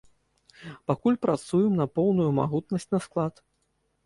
Пакуль працуем на поўную магутнасць на склад.